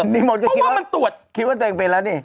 นี่หมดก็คิดว่ามันตรวจคิดว่าตัวเองเป็นแล้วนี่